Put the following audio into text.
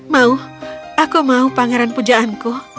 mau aku mau pangeran pujaanku